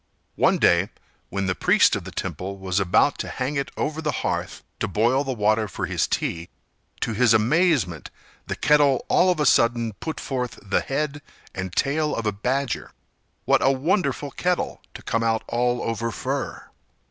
One day, when the priest of the temple was about to hang it over the hearth to boil the water for his tea, to his amazement the kettle all of a sudden put forth the head and tail of a badger. What a wonderful kettle, to come out all over fur!